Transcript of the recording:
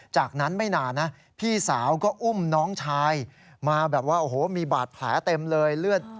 จากนั้นไม่นานนะพี่สาวก็อุ้มน้องชาย